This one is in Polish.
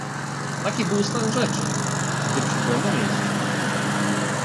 "Taki był stan rzeczy, gdy przybyłem na miejsce."